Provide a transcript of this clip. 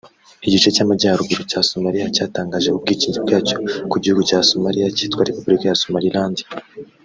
Igice cy’amajyaruguru cya Somalia cyatangaje ubwigenge bwacyo ku gihugu cya Somalia cyitwa Repubulika ya Somaliland